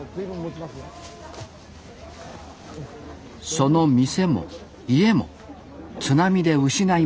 その店も家も津波で失いました